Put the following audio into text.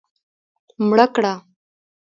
مړ کړه.